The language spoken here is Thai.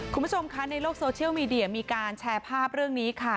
คุณผู้ชมคะในโลกโซเชียลมีเดียมีการแชร์ภาพเรื่องนี้ค่ะ